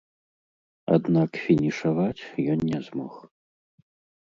Аднак фінішаваць ён не змог.